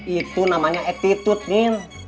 itu namanya attitude nen